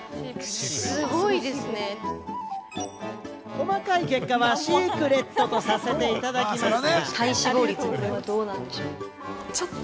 細かい結果はシークレットとさせていただきまして。